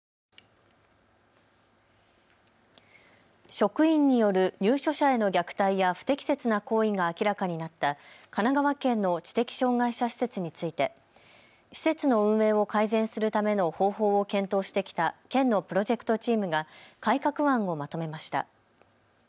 職員による入所者への虐待や不適切な行為が明らかになった神奈川県の知的障害者施設について施設の運営を改善するための方法を検討してきた県のプロジェクトチームが改革案をまとめました。